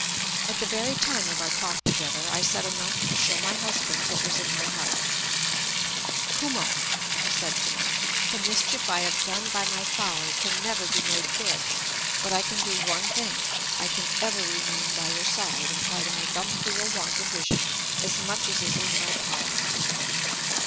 At the very time of our talk together, I said enough to show my husband what was in my heart. "Kumo," he said to me, "the mischief I have done by my folly can never be made good. But I can do one thing. I can ever remain by your side, and try to make up for your want of vision as much as is in my power."